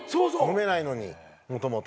飲めないのにもともと。